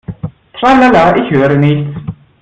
Tralala, ich höre nichts!